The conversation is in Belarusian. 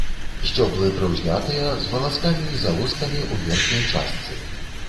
Сцёблы прыўзнятыя, з валаскамі і залозкамі ў верхняй частцы.